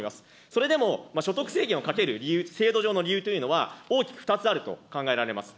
それでも所得制限をかける理由、制度上の理由というのは大きく２つあると考えられます。